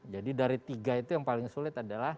jadi dari tiga itu yang paling sulit adalah